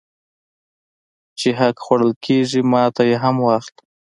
چې حق پلورل کېږي ماته یې هم واخله